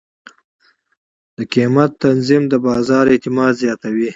د قیمت تنظیم د بازار اعتماد زیاتوي.